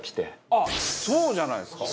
あっそうじゃないですか。